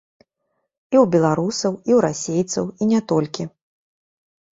І ў беларусаў, і ў расейцаў, і не толькі.